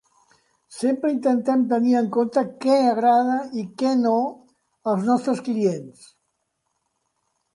Sempre intentem tenir en compte què agrada i què no als nostres clients.